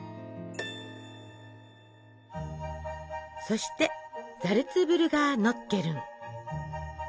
そしてザルツブルガーノッケルン！